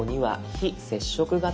非接触型。